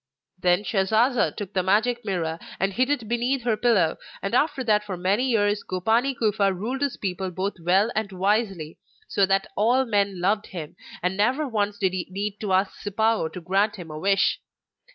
Then Shasasa took the Magic Mirror and hid it beneath her pillow, and after that for many years Gopani Kufa ruled his people both well and wisely, so that all men loved him, and never once did he need to ask Sipao to grant him a wish.